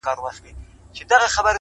پاچا په خپلو لاسو بيا سپه سالار وتړی!!